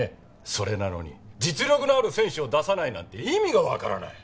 それなのに実力のある選手を出さないなんて意味がわからない。